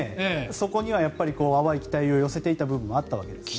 そこには淡い期待を寄せていた部分もあったんですね。